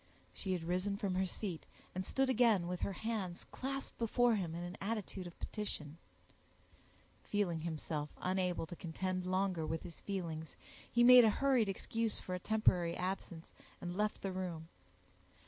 She had risen from her seat, and stood again with her hands clasped before him in an attitude of petition; feeling himself unable to contend longer with his feelings, he made a hurried excuse for a temporary absence, and left the room.